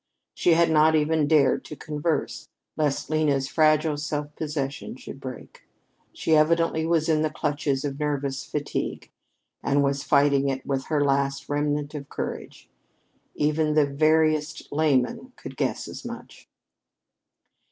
She had not even dared to converse, lest Lena's fragile self possession should break. She evidently was in the clutches of nervous fatigue and was fighting it with her last remnant of courage. Even the veriest layman could guess as much.